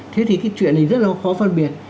thế thì cái chuyện này rất là khó phân biệt